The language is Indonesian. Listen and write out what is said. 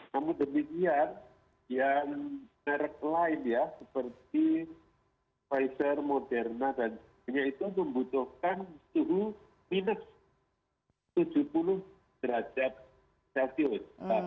namun demikian yang merek lain ya seperti pfizer moderna dan sebagainya itu membutuhkan suhu minus tujuh puluh derajat celcius